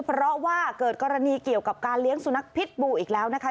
เพราะว่าเกิดกรณีเกี่ยวกับการเลี้ยงสุนัขพิษบูอีกแล้วนะคะ